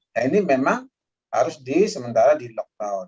nah ini memang harus di sementara di lockdown